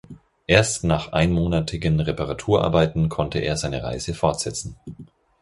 Erst nach einmonatigen Reparaturarbeiten konnte er seine Reise fortsetzen.